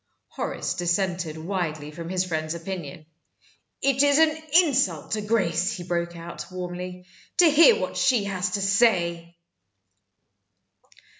Horace dissented widely from his friend's opinion. "It's an insult to Grace," he broke out, warmly, "to hear what she has to say!"